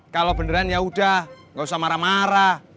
kalau beneran yaudah gak usah marah marah